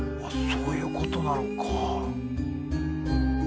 そういうことなのか。